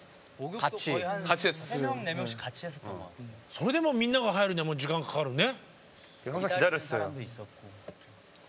それでもみんなが入るには時間かかるね？